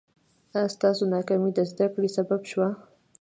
ایا ستاسو ناکامي د زده کړې سبب شوه؟